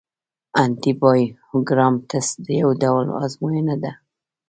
انټي بایوګرام ټسټ یو ډول ازموینه ده.